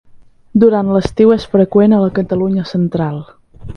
Durant l'estiu és freqüent a la Catalunya Central.